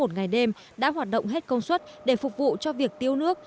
một ngày đêm đã hoạt động hết công suất để phục vụ cho việc tiêu nước